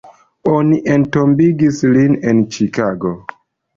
Oni entombigis lin en Ĉikago.